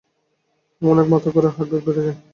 আমার অনেক মাথা ঘোরায়, হার্ট বিট বেড়ে যায়, বমি হয়।